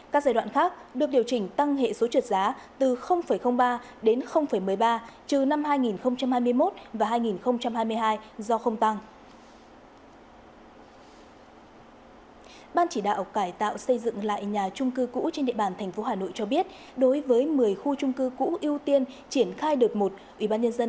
các giai đoạn khác được điều chỉnh tăng hệ số trợ giá từ ba đến một mươi ba trừ năm hai nghìn hai mươi một và hai nghìn hai mươi hai do không tăng